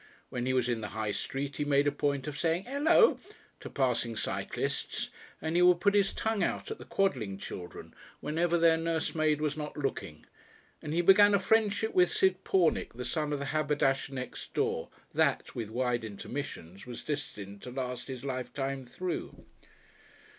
When he was in the High Street he made a point of saying "Hello!" to passing cyclists, and he would put his tongue out at the Quodling children whenever their nursemaid was not looking. And he began a friendship with Sid Pornick, the son of the haberdasher next door, that, with wide intermissions, was destined to last his lifetime through.